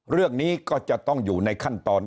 เรื่องนี้ก็จะต้องอยู่ในขั้นตอน